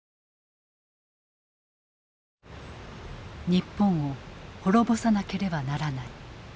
日本を滅ぼさなければならない。